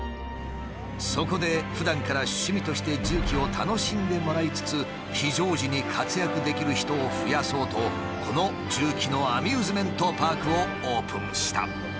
そこでふだんから趣味として重機を楽しんでもらいつつ非常時に活躍できる人を増やそうとこの重機のアミューズメントパークをオープンした。